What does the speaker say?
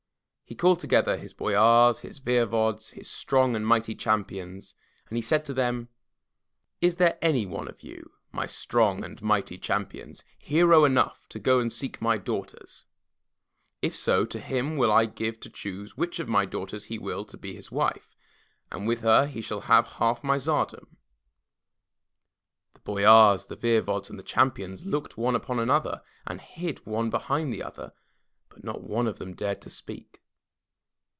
He called together his boyars, his voevods, his strong and mighty cham pions, and he said to them: 'Ts there any one of you, my strong and mighty champions, hero enough to go seek my daugh ters? If so, to him will I give to choose which of my daughters he will, to be his wife, and with her he shall have half my tsardom." The boyars, the voevods and the champions looked one upon another, and hid one behind the other, but not one of them dared to speak.